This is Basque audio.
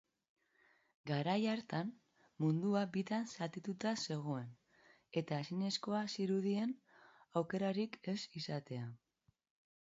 Garai hartan mundua bitan zatituta zegoen, eta ezinezkoa zirudien aukerarik ez egitea.